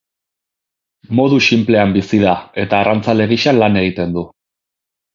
Modu sinplean bizi da eta arrantzale gisa lan egiten du.